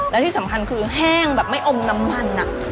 แล้วที่สำคัญคือแห้งแบบไม่อมน้ำมัน